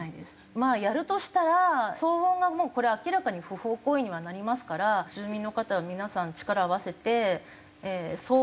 まあやるとしたら騒音がもうこれ明らかに不法行為にはなりますから住民の方は皆さん力を合わせて。